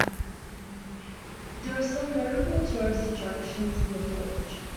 There are some notable tourist attractions in the village.